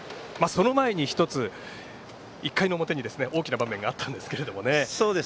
その前に１つ、１回の表に大きな場面がありましたね。